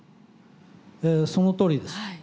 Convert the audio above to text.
そのとおりです。